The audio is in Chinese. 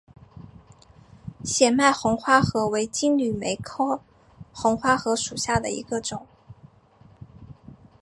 显脉红花荷为金缕梅科红花荷属下的一个种。